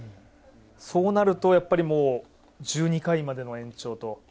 そうなるとやっぱり１２回までの延長と。